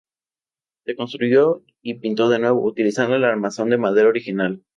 Se reconstruyó y pintó de nuevo, utilizando el armazón de madera original.